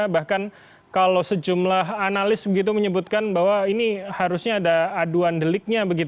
bahkan kalau sejumlah analis begitu menyebutkan bahwa ini harusnya ada aduan deliknya